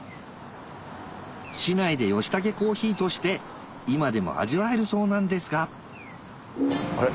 市内でヨシタケコーヒーとして今でも味わえるそうなんですがあれ？